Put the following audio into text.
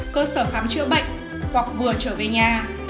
cơ sở khám chữa bệnh hoặc vừa trở về nhà